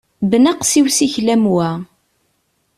Bnaqes i usikel am wa!